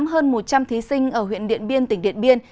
hơn một trăm linh thí sinh ở huyện điện biên tỉnh điện biên